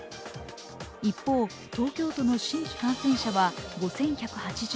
一方、東京都の新規感染者は５１８５人。